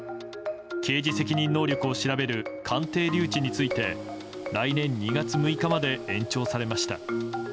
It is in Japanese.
刑事責任能力を調べる鑑定留置について来年２月６日まで延長されました。